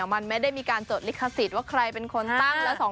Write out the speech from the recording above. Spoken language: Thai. มันไม่ได้มีการจดลิขสิทธิ์ว่าใครเป็นคนตั้งแล้ว